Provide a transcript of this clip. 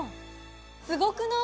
すごくない？